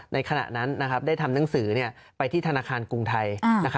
ในขณะนั้นได้ทำหนังสือไปที่ธนาคารกรุงไทย